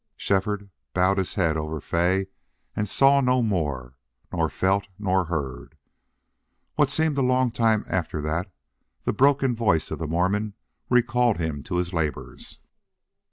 Shefford bowed his head over Fay and saw no more, nor felt nor heard. What seemed a long time after that the broken voice of the Mormon recalled him to his labors.